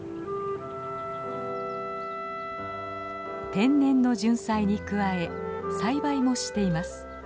天然のジュンサイに加え栽培もしています。